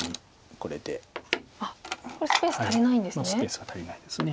これスペース足りないんですね。